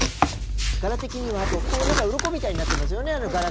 柄的にはあとうろこみたいになってますよね柄が。